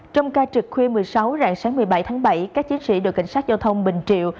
trong ca trực khuya một mươi sáu rạng sáng một mươi bảy tháng bảy các chiến sĩ đội cảnh sát giao thông bình triệu